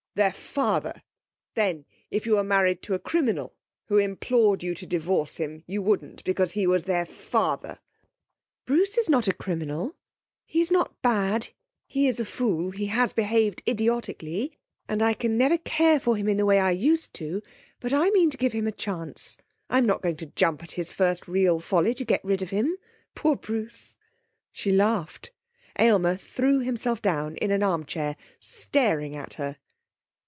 'Their father! Then, if you were married to a criminal who implored you to divorce him you wouldn't, because he was their father!' 'Bruce is not a criminal. He is not bad. He is a fool. He has behaved idiotically, and I can never care for him in the way I used to, but I mean to give him a chance. I'm not going to jump at his first real folly to get rid of him.... Poor Bruce!' She laughed. Aylmer threw himself down in an arm chair, staring at her.